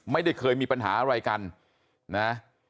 ไม่ได้เคยมีปัญหาอะไรกันนะ